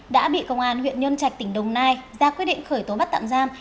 đã bị công an huyện nhân trạch tỉnh đồng nai ra quyết định khởi tố bắt tạm giam